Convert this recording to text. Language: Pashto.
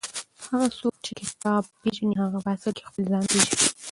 هغه څوک چې کتاب پېژني هغه په اصل کې خپل ځان پېژني.